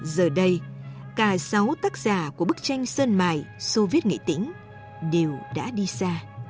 giờ đây cả sáu tác giả của bức tranh sơn mài soviet nghĩa tính đều đã đi xa